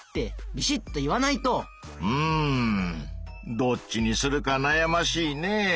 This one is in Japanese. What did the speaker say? どっちにするかなやましいねぇ。